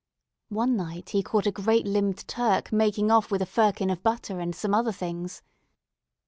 One night he caught a great limbed Turk making off with a firkin of butter and some other things.